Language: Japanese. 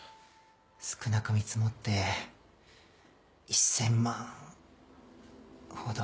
少なく見積もって１千万ほど。